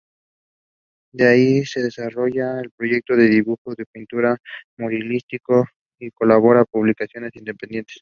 Ahí desarrolla proyectos de dibujo, pintura y muralismo, y colabora con publicaciones independientes.